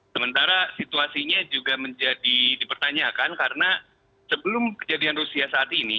sementara situasinya juga menjadi dipertanyakan karena sebelum kejadian rusia saat ini